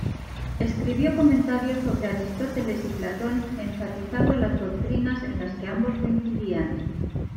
Escribió comentarios sobre Aristóteles y Platón, enfatizando las doctrinas en las que ambos coincidían.